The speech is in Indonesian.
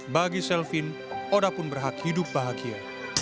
bagi selvin oda pun berhak hidup bahagia